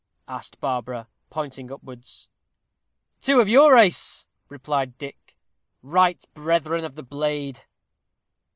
asked Barbara, pointing upwards. "Two of your race," replied Dick; "right brethren of the blade."